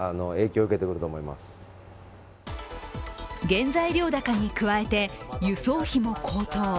原材料高に加えて輸送費も高騰。